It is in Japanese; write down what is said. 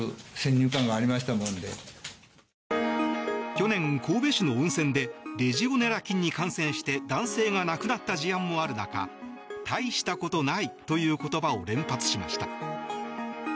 去年、神戸市の温泉でレジオネラ菌に感染して男性が亡くなった事案もある中大したことないという言葉を連発しました。